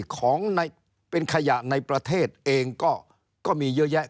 ของเป็นขยะในประเทศเองก็มีเยอะแยะ